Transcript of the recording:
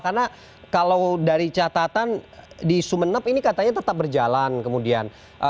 karena kalau dari catatan di sumeneb ini katanya tetap berjalan kemudian